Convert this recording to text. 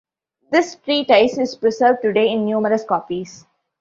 This treatise is preserved today in numerous copies.